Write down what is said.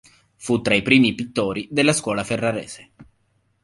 Fu tra i primi pittori della scuola ferrarese.